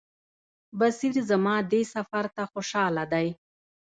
بصیر زما دې سفر ته خوشاله دی.